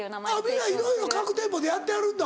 皆いろいろ各店舗でやってはるんだ。